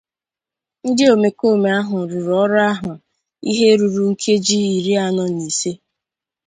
ndị omekoome ahụ rụrụ ọrụ ahụ ihe ruru nkeji iri anọ na ise